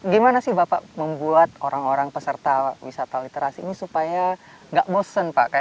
gimana sih bapak membuat orang orang peserta wisata literasi ini supaya nggak bosen pak